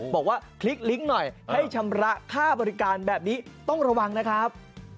คลิกลิงก์หน่อยให้ชำระค่าบริการแบบนี้ต้องระวังนะครับ